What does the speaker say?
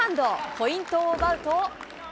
ポイントを奪うと。